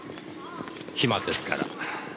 暇ですから。